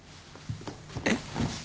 えっ？